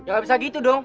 ya gak bisa gitu dong